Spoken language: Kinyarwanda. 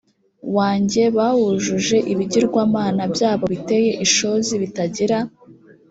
wanjye bawujuje ibigirwamana byabo biteye ishozi bitagira